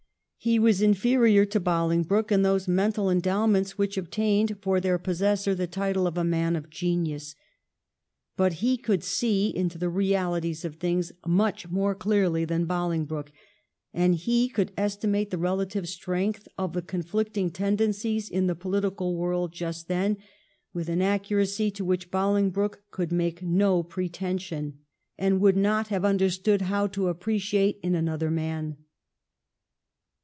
He was inferior to Bohngbroke in those mental endowments which obtained for their possessor the title of a man of genius. But he could see into the reaUties of things much more clearly than Bohngbroke, and he could estimate the relative strength of the conflicting tenden cies in the political world just then with an accuracy to which Bohngbroke could make no pretension, and 234 THE KEIGN OF QUEEN ANNE. ch. xxxi. would not have understood how to appreciate in another man.